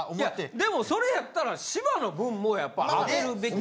いやでもそれやったら芝の分もやっぱ空けるべきや。